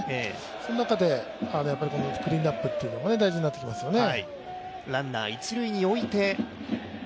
その中でこのクリーンアップっていうのも大事になってきますよね。